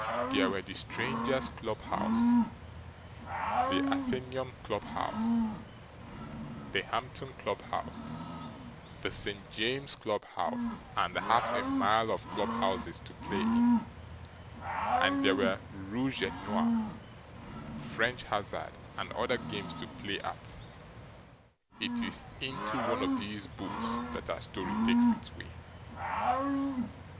There were the Stranger's club house, the Athenaeum club house, the Hampton club house, the St James's club house, and half a mile of club houses to play IN; and there were ROUGE ET NOIR, French hazard, and other games to play AT. It is into one of these booths that our story takes its way.